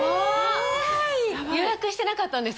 ・・怖い・予約してなかったんですか？